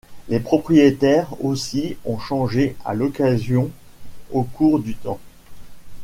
Les propriétaires aussi ont changé, à l'occasion, au cours du temps.